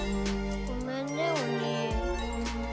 ごめんねお兄。